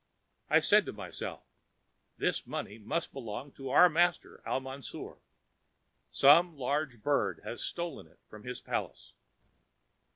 I said to myself, 'This money must belong to our master, Al Mansour. Some large bird has stolen it from his palace.'"